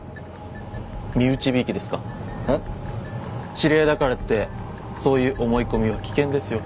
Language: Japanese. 知り合いだからってそういう思い込みは危険ですよ。